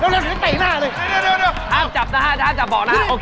เร็วเตะหน้าเลย